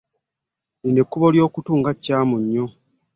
Lino ekubo ly'okutu nga kyamu nnyo?